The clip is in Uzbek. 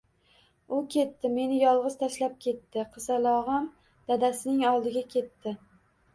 U ketdi, meni yolg'iz tashlab ketdi, qizalog'im dadasining oldiga ketdi